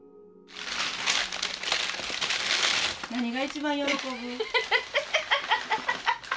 何が一番喜ぶ？